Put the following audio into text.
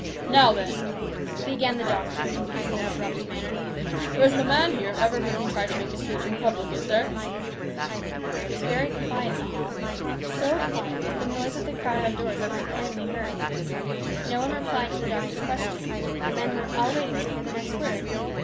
" Now, then," began the doctor in his usual abrupt manner, " there isn't a man here ever heard me try to make a speech in public, is there ?" It was very quiet in the hall, so quiet that the noise of the crowd outdoors could plainly be heard. No one replied to the doctor's question. The men were all waiting to hear the next word.